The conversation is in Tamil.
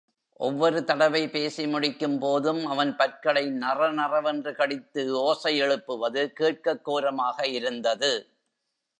ஒவ்வொரு தடவை பேசி முடிக்கும் போதும் அவன் பற்களை நறநறவென்று கடித்து ஓசை எழுப்புவது கேட்கக் கோரமாக இருந்தது.